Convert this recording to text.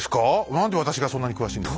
何で私がそんなに詳しいんだ。